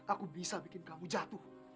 aku bisa bikin kamu jatuh